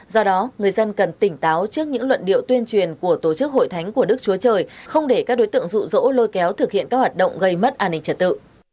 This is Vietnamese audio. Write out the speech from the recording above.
do đó người dân cần tỉnh táo trước những luận điệu tuyên truyền của tổ chức hội thánh của đức chúa trời không để các đối tượng rụ rỗ lôi kéo thực hiện các hoạt động gây mất an ninh trật tự